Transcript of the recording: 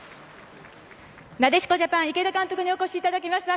なでしこジャパン池田監督にお越しいただきました。